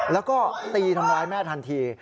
แล้วก็ตีทำร้ายแม่ทันที